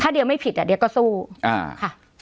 เดี๋ยวไม่ผิดอ่ะเดี๋ยวก็สู้อ่าค่ะ